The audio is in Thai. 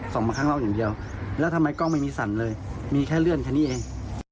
มาครั้งเล่าอย่างเดียวแล้วทำไมกล้องไม่มีสั่นเลยมีแค่เลื่อนแค่นี้เอง